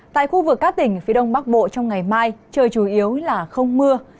tại khu vực các tỉnh phía đông bắc bộ trong ngày mai trời chủ yếu là không mưa